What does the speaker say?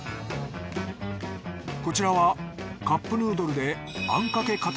こちらはカップヌードルであんかけかた